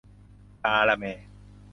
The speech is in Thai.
กาละแมร์